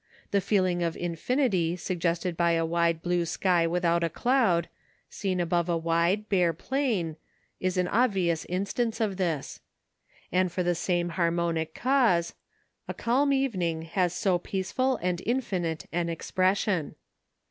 The feeling of infinity suggested by a wide blue sky without a cloud, seen above a wide bare plain, is an obvious instance of this. And for the same harmonic cause, a calm evening has so peaceful and infinite an expression.